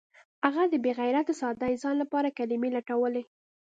هغه د بې غیرته ساده انسان لپاره کلمې لټولې